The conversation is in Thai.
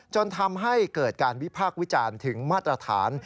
จนทำให้เกิดการวิพากษ์วิจารณ์ถึงมาตรฐาน